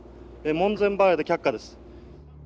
門前払いで却下です。